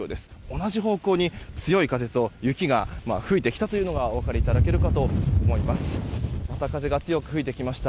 同じ方向に強い風と雪が吹いてきたというのがお分かりいただけるかと思います。